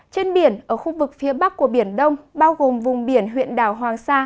trên biển ở khu vực phía bắc của biển đông bao gồm vùng biển huyện đảo hoàng sa